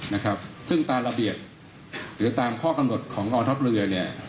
นะครับซึ่งตามระเบียบหรือตามข้อกำหนดของกองทัพเรือเนี่ย